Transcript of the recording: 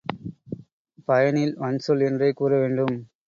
பயனில் வன்சொல் என்றே கூற வேண்டும்.